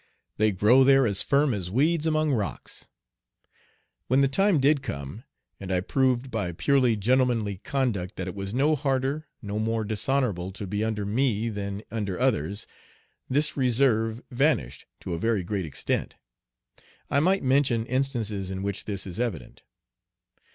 They grow there as firm as weeds among rocks." When the time did come, and I proved by purely gentlemanly conduct that it was no harder, no more dishonorable, to be under me than under others, this reserve vanished to a very great extent. I might mention instances in which this is evident.